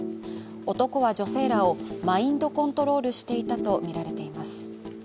男は女性らをマインドコントロールしていたとみられています。